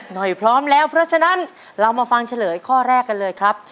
พร้อมแล้วเพราะฉะนั้นเรามาฟังเฉลยข้อแรกกันเลยครับ